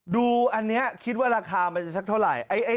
ดูอันนี้ให้ทราบว่าราคาจะสักเท่าไหร่